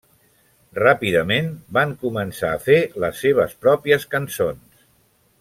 Ràpidament, van començar a fer les seves pròpies cançons.